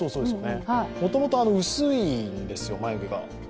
もともと薄いんですよ、眉毛が。